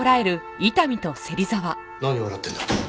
何笑ってるんだ？